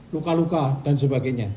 luka luka dan sebagainya